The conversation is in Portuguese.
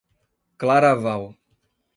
Claraval